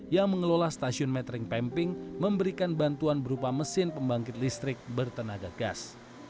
yang mengelola stasiun metering pemping memberikan bantuan berupa mesin pembangkit listrik bertenaga gas